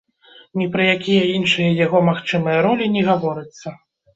Ні пра якія іншыя яго магчымыя ролі не гаворыцца.